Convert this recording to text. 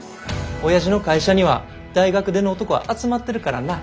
親父の会社には大学出の男が集まってるからな。